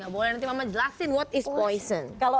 gak boleh nanti mama jelasin what is poison